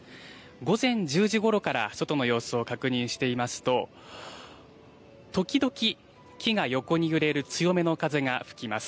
午前１０時ごろから外の様子を確認していますと時々、木が横に揺れる強めの風が吹きます。